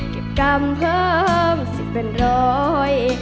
เก็บกรรมเพิ่มสิบเป็นร้อย